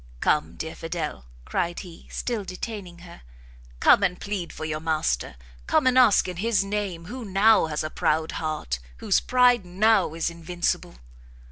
"Come, dear Fidel!" cried he, still detaining her, "come and plead for your master! come and ask in his name who now has a proud heart, whose pride now is invincible!"